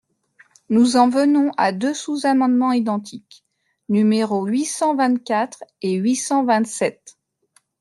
Nous en venons à deux sous-amendements identiques, numéros huit cent vingt-quatre et huit cent vingt-sept.